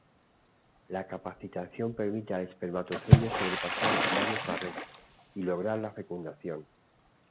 La capacitación permite al espermatozoide sobrepasar varias barreras y lograr la fecundación.